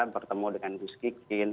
bertemu dengan gus kikin